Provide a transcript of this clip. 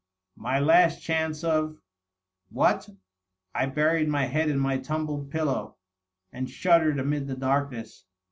My last chance of .. what ? I buried my head in my tumbled pillow and shuddered amid the darkness.